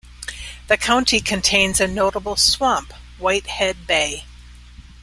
The county contains a notable swamp, Whitehead Bay.